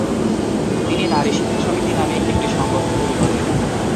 তিনি ‘নারী রক্ষা সমিতি’ নামে একটি সংগঠন তৈরি করেন।